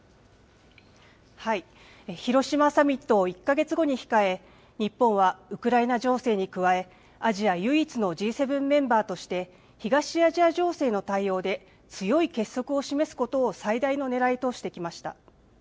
広島サミットを１か月後に控え、日本はウクライナ情勢に加え、アジア唯一のＧ７メンバーとして、東アジア情勢の対応で、強い結束を示すことを最大のねらいとしてきました。